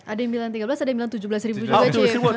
ada yang bilang tiga belas ada yang bilang tujuh belas juga